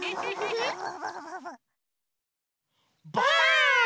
ばあっ！